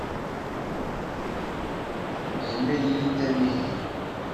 Yenna-iyi-d amihi!